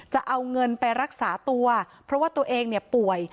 จะเอาเงินไปรักษาตัวเพราะว่าตัวเองเนี่ยป่วย